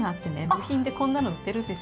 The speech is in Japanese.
部品でこんなの売ってるんですよ。